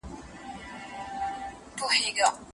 هغه اوسمهال د خپل کار لپاره لېوالتیا ښيي.